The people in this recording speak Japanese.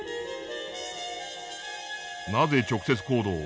「なぜ直接行動を？